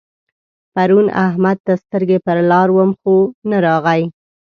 پرون احمد ته سترګې پر لار وم خو نه راغی.